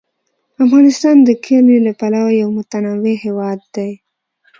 افغانستان د کلیو له پلوه یو متنوع هېواد دی.